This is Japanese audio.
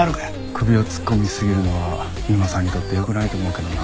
首を突っ込みすぎるのは三馬さんにとってよくないと思うけどな。